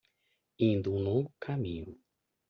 Indo um longo caminho